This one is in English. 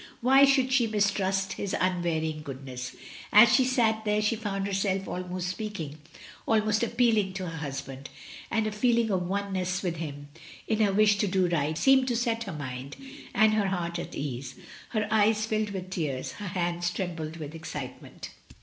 Why should she^ mistrust his unvarying goodness? ... As she sat there she found herself almost speaking, almost ap pealing to her husband, and a feeling of oneness with him in her wish to do right seemed to set her mind and her heart at ease, her eyes filled with tears, her hands trembled with excitement.